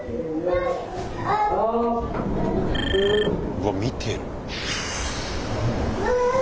うわ見てる。